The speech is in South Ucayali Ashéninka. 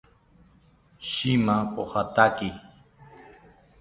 Shima pojataki